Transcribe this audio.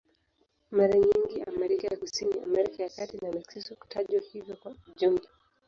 Mara nyingi Amerika ya Kusini, Amerika ya Kati na Meksiko hutajwa hivyo kwa jumla.